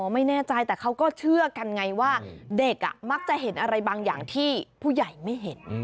ไม่แน่ใจแต่เขาก็เชื่อกันไงว่าเด็กมักจะเห็นอะไรบางอย่างที่ผู้ใหญ่ไม่เห็น